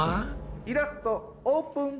イラストオープン！